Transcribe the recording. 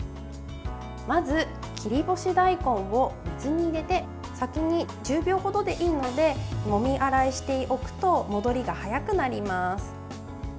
まず、切り干し大根を水に入れて先に１０秒程でいいのでもみ洗いしておくと戻りが早くなります。